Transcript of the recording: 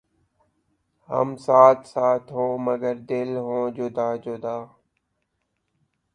ھم ساتھ ساتھ ہوں مگر دل ہوں جدا جدا